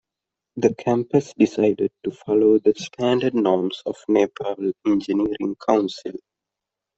The campus decided to follow the standard norms of Nepal Engineering Council.